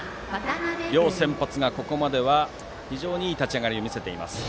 両先発がここまで非常にいい立ち上がりを見せています。